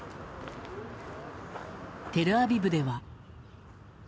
テルアビブでは。